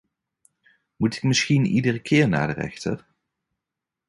Moet ik misschien iedere keer naar de rechter?